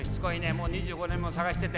もう２５年も捜してて。